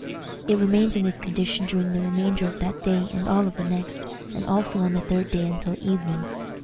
It remained in this condition during the remainder of that day and all of the next, and also on the third day until evening.